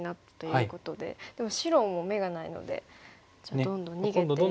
でも白も眼がないのでじゃあどんどん逃げていくしかないですね。